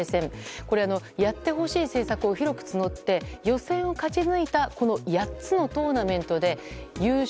これは、やってほしい政策を広く募って予選を勝ち抜いた８つのトーナメントで優勝